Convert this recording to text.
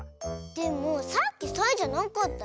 でもさっきサイじゃなかったよ。